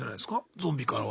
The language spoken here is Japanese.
ゾンビからは。